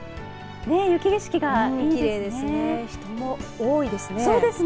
雪景色がきれいですね。